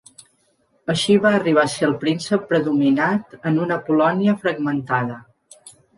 Així va arribar a ser el Príncep predominat en una Polònia fragmentada.